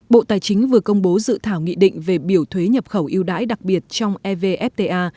bộ tài chính vừa công bố dự thảo nghị định về biểu thuế nhập khẩu yêu đãi đặc biệt trong evfta